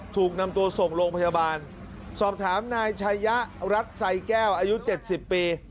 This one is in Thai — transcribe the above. ถูกนำตัวส่งโรงพยาบาลสอบถามนายชายะรัฐไซแก้วอายุ๗๐ปี